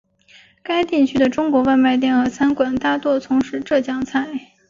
该地区的中国外卖店和餐馆大多从事浙江菜。